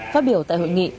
phát biểu tại hội nghị